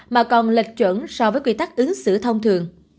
mà còn lệch chuẩn so với quy tắc ứng xử thông thường